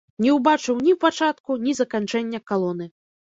Не ўбачыў ні пачатку, ні заканчэння калоны.